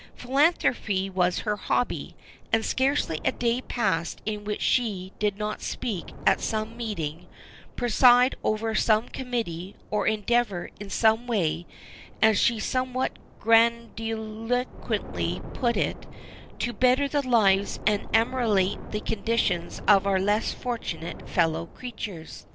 Philanthropy was her hobby, and scarcely a day passed in which she did not speak at some meeting, preside over some committee, or endeavor in some way, as she somewhat grandiloquently put it: "To better the lives and ameliorate the conditions of our less fortunate fellow creatures."